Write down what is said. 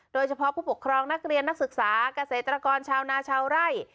โดยเฉพาะผู้ปกครองนักเรียนนักศึกษาเกษตรกรชาวนาชาวไร่